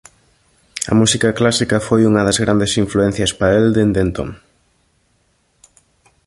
A música clásica foi unha das grandes influencias para el dende entón.